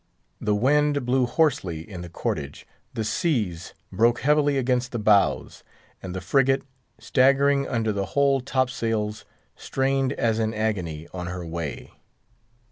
The wind blew hoarsely in the cordage; the seas broke heavily against the bows; and the frigate, staggering under whole top sails, strained as in agony on her way.